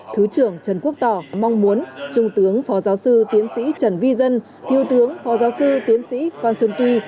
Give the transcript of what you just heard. thứ trưởng trần quốc tỏ mong muốn trung tướng phó giáo sư tiến sĩ trần vi dân thiếu tướng phó giáo sư tiến sĩ phan xuân tuy